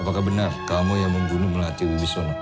apakah benar kamu yang membunuh melati wibisono